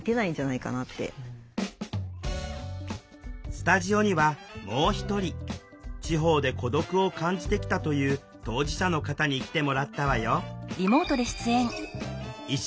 スタジオにはもう一人地方で孤独を感じてきたという当事者の方に来てもらったわよ